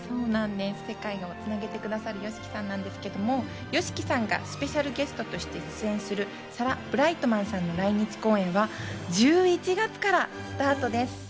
世界をつなげてくださるＹＯＳＨＩＫＩさんなんですけど、ＹＯＳＨＩＫＩさんがスペシャルゲストとして出演するサラ・ブライトマンさんの来日公演は１１月からスタートです。